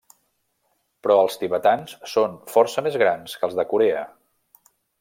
Però els tibetans són força més grans que els de Corea.